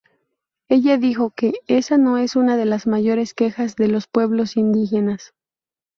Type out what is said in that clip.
Ella dijo que "esa es una de las mayores quejas de los pueblos indígenas.